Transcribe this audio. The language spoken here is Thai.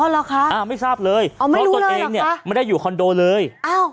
ไม่ทราบเลยอ๋อไม่รู้เลยหรอกคะเพราะตัวเองเนี้ยมันได้อยู่คอนโดเลยอ้าว